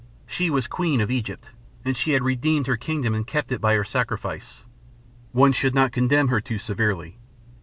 She was queen of Egypt, and she had redeemed her kingdom and kept it by her sacrifice. One should not condemn her too severely.